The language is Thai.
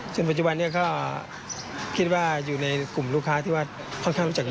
ซึ่งปัจจุบันนี้ก็คิดว่าอยู่ในกลุ่มลูกค้าที่ว่าค่อนข้างรู้จัก